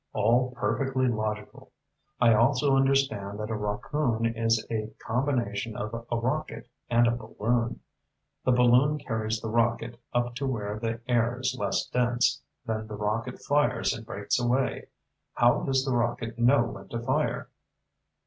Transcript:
"All perfectly logical. I also understand that a rockoon is a combination of a rocket and a balloon. The balloon carries the rocket up to where the air is less dense, then the rocket fires and breaks away. How does the rocket know when to fire?"